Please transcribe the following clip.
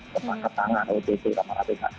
ketang ketangan kalau betul sama ada yang tidak